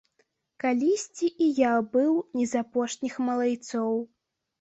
Калісьці і я быў не з апошніх малайцоў.